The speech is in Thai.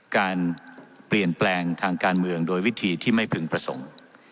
การเปลี่ยนแปลงทางการเมืองโดยวิธีที่ไม่พึงประสงค์